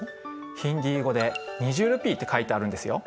ヒンディー語で２０ルピーって書いてあるんですよ。